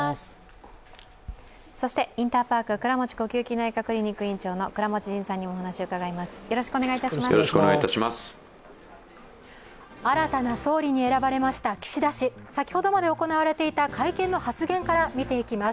インターパーク倉持呼吸器内科院長の倉持仁さんにもお話を伺います。